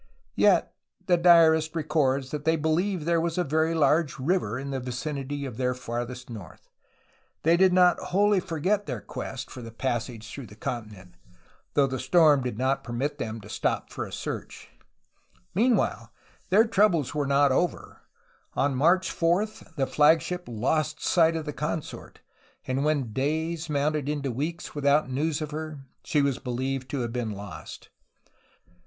Yet, the diarist records that they believed there was a very large river in the vicinity of their farthest north; they 82 A HISTORY OF CALIFORNIA did not wholly forget their quest for the passage through the continent, though the storm did not permit them to stop for a search. Meanwhile, their troubles were not over. On March 4 the flagship lost sight of the consort, and when days mounted into weeks without news of her, she was believed to have been lost.